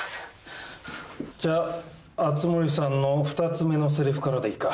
じゃ熱護さんの２つ目のせりふからでいいか。